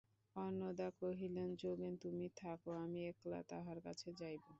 অন্নদা কহিলেন, যোগেন, তুমি থাকো, আমি একলা তাহার কাছে যাইব।